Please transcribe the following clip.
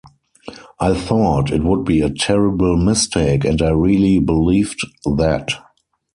I thought it would be a terrible mistake, and I really believed that.